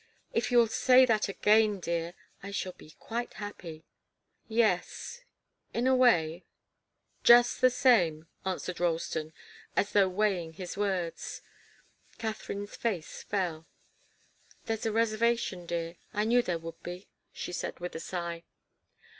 "If you'll say that again, dear, I shall be quite happy." "Yes in a way just the same," answered Ralston, as though weighing his words. Katharine's face fell. "There's a reservation, dear I knew there would be," she said, with a sigh.